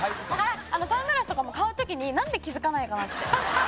サングラスとかも買う時になんで気付かないかなって。